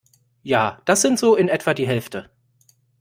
Ja, das sind so in etwa die Hälfte.